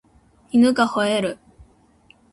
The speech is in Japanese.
犬が吠える